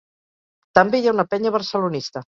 També hi ha una penya barcelonista.